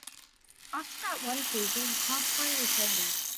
After that one season, the club finally folded.